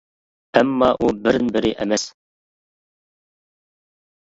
ئەمما ئۇ بىردىن بىرى ئەمەس.